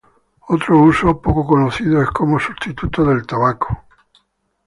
Otro uso, poco conocido, es como sustituto del tabaco.